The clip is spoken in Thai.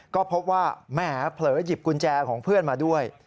ก็พบว่าแหมเผลอหยิบกุญแจของเพื่อนมาด้วย